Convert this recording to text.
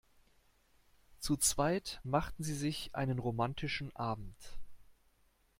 Zu zweit machten sie sich einen romantischen Abend.